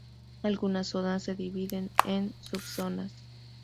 Algunas zonas se dividen en subzonas.